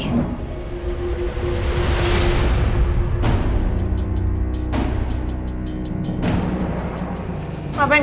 ngapain kamu di sini